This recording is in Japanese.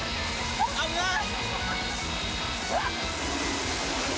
危ない！